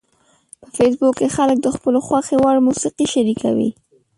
په فېسبوک کې خلک د خپلو خوښې وړ موسیقي شریکوي